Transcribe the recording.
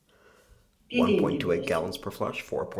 Dediğin gibi olsun.